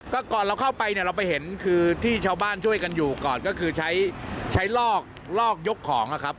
ก็ก่อนเราเข้าไปเนี่ยเราไปเห็นคือที่ชาวบ้านช่วยกันอยู่ก่อนก็คือใช้ใช้ลอกลอกยกของนะครับ